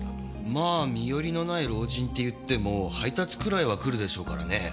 まぁ身寄りのない老人っていっても配達くらいは来るでしょうからね。